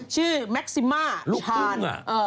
ชื่อแม็กซิม่าลูกพราน